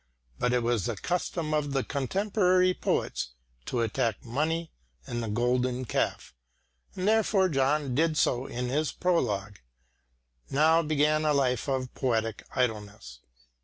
But it was the custom of the contemporary poets to attack money and the golden calf, and therefore John did so in his prologue. Now began a life of poetic idleness.